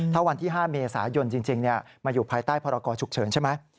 ถ้าวันที่๕เมษายนจริงมาอยู่ภายใต้พรกรฉุกเฉินใช่ไหม